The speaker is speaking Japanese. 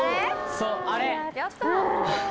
そうあれ！